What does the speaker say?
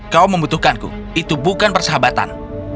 kau membutuhkanku itu bukan persahabatan